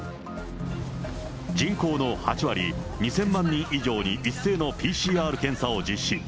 人口の８割、２０００万人以上に一斉のＰＣＲ検査を実施。